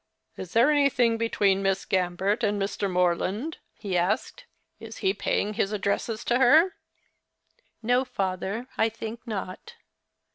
" Is there anything between 3tiss Gambert and Mor land ?" he asked. " Is he paying his addresses to her ?"" No, father, I think not."